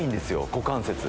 股関節」